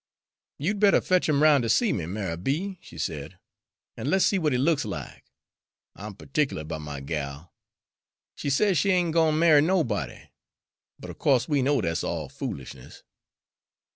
"You'd better fetch him roun' to see me, Ma'y B.," she said, "an' let's see what he looks like. I'm pertic'lar 'bout my gal. She says she ain't goin' to marry nobody; but of co'se we know that's all foolishness."